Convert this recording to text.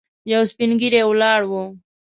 یو سپين ږيری ولاړ و.